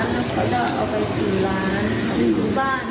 แล้วเค้าออกไปสี่ล้าน